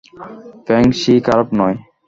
Feng shui খারাপ নয়।